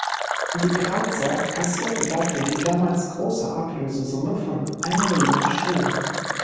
Die Grazer kassierten dafür die damals große Ablösesumme von einer Million Schilling.